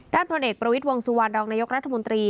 ด้านตัวเอกประวิดวงสุวรรณรองนายกรัฐมนตรี